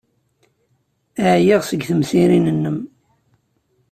Ɛyiɣ seg temsirin-nnem.